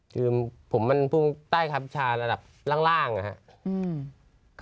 คือผมมันพูดใต้คับชาระดับล่างอะฮะ